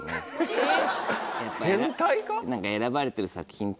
えっ。